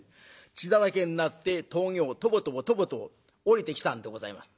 血だらけになって峠をトボトボトボトボ下りてきたんでございます。